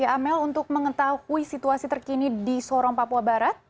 amel untuk mengetahui situasi terkini di sorong papua barat